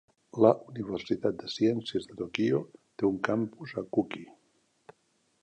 La Universitat de Ciències de Tokyo té un campus a Kuki.